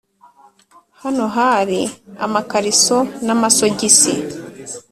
Hano hari ama kariso na ma sogisi